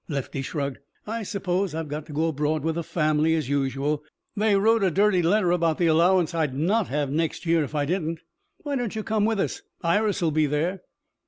Lefty shrugged. "I suppose I've got to go abroad with the family as usual. They wrote a dirty letter about the allowance I'd not have next year if I didn't. Why don't you come with us? Iris'll be there."